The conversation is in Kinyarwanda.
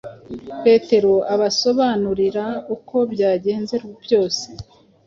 Petero abasobanurira uko byagenze byose.